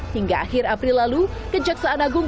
hingga akhir april lalu kejaksaan agung